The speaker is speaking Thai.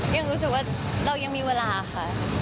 ยังรู้สึกว่าเรายังมีเวลาค่ะ